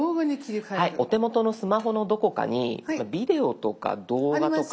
お手元のスマホのどこかに「ビデオ」とか「動画」とか。